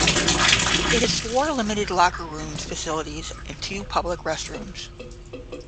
It has four limited locker room facilities and two public restrooms.